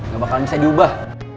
gak bakal bisa diubah